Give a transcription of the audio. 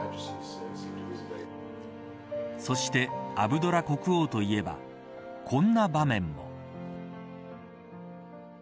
そしてアブドラ国王といえばこんな場面も。